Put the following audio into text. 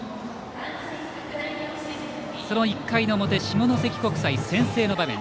その１回の表、下関国際先制の場面。